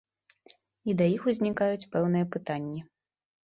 І да іх узнікаюць пэўныя пытанні.